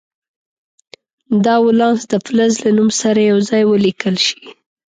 دا ولانس د فلز له نوم سره یو ځای ولیکل شي.